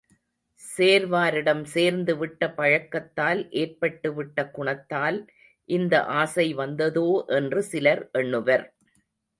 சேர்வாரிடம் சேர்ந்து விட்ட பழக்கத்தால் ஏற்பட்டு விட்ட குணத்தால் இந்த ஆசை வந்ததோ என்று சிலர் எண்ணுவர்.